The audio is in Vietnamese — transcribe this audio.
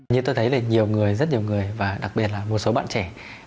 như tôi thấy là nhiều người rất nhiều người và đặc biệt là một số bạn trẻ